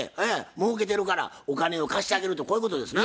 もうけてるからお金を貸してあげるとこういうことですな？